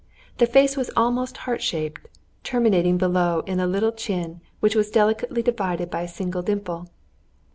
The face was almost heart shaped, terminating below in a little chin which was delicately divided by a single dimple.